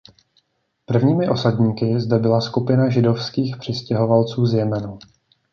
Prvními osadníky zde byla skupina židovských přistěhovalců z Jemenu.